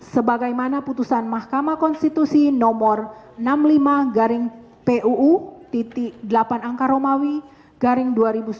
sebagaimana putusan mahkamah konstitusi nomor enam puluh lima puu delapan angka romawi garing dua ribu sembilan belas